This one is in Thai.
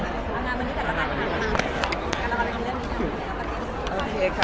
สวัสดีค่ะน้องทุกคนสวัสดีค่ะ